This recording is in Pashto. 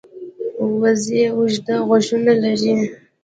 وزې اوږده غوږونه لري